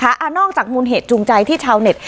กันนะคะอ่านอกจากมูลเหตุจูงใจที่ชาวเน็ต